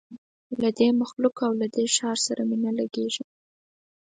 له دې مخلوق او له دې ښار سره مي نه لګیږي